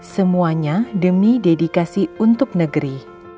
semuanya demi dedikasi untuk negeri